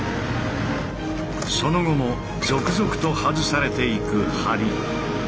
その後も続々と外されていく梁。